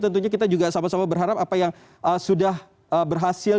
tentunya kita juga sama sama berharap apa yang sudah berhasil